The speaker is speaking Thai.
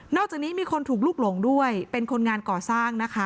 อกจากนี้มีคนถูกลุกหลงด้วยเป็นคนงานก่อสร้างนะคะ